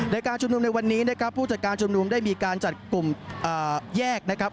ในการชุมนุมในวันนี้นะครับผู้จัดการชุมนุมได้มีการจัดกลุ่มแยกนะครับ